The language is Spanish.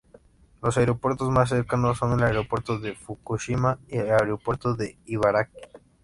Los aeropuertos más cercanos son los de Aeropuerto de Fukushima y Aeropuerto de Ibaraki.